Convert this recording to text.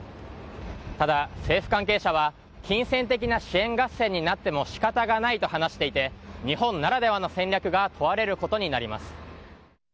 ただ、政府関係者は金銭的な支援合戦になっても仕方がないと話していて日本ならではの戦略が問われることになります。